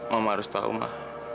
mama harus tahu ma